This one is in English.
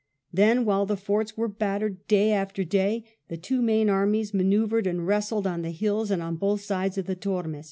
Then, while the forts were battered, day after day the two main armies manoeuvred and wrestled on the hills and on both sides of the Tormes.